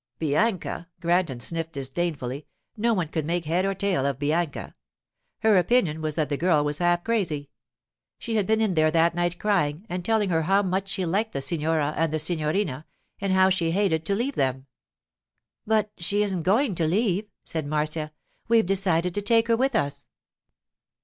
Bianca!—Granton sniffed disdainfully—no one could make head or tail of Bianca. Her opinion was that the girl was half crazy. She had been in there that night crying, and telling her how much she liked the signora and the signorina, and how she hated to leave them. 'But she isn't going to leave,' said Marcia. 'We've decided to take her with us.